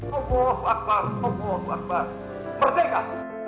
tomoh akbar tomoh akbar merdeka